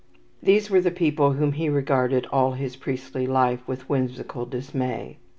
These were the people whom he regarded all his priestly life with whimsical dismay.